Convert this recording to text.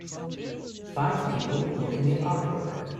Five people looking at artwork.